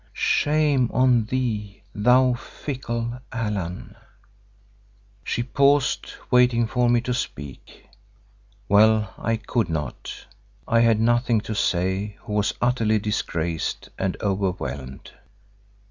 Shame on thee, thou fickle Allan!" She paused, waiting for me to speak. Well, I could not. I had nothing to say who was utterly disgraced and overwhelmed.